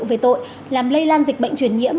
về tội làm lây lan dịch bệnh truyền nhiễm